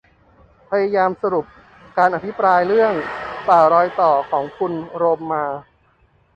พยายามสรุปการอภิปรายเรื่อง ป่ารอยต่อ ของคุณโรมมา